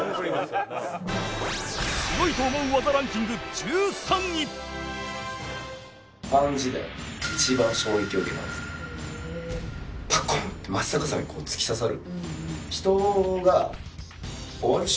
すごいと思う技ランキング１３位パコン！って真っ逆さまにこう突き刺さる。